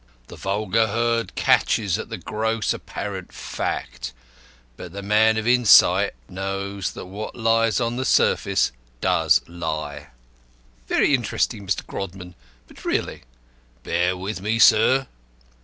The vulgar herd catches at the gross apparent fact, but the man of insight knows that what lies on the surface does lie." "Very interesting, Mr. Grodman, but really " "Bear with me, sir.